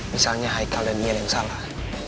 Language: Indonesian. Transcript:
misalnya haikal dan niel yang salah